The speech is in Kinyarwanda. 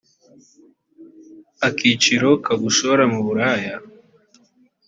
akiciro ka gushora mu buraya